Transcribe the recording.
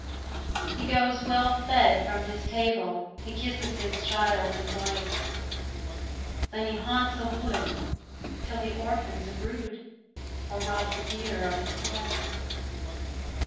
He goes well fed from his table; He kisses his child and wife; Then he haunts a wood, till he orphans a brood, Or robs a deer of its life.